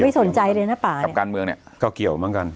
สนใจเลยนะป่ากับการเมืองเนี่ยก็เกี่ยวเหมือนกัน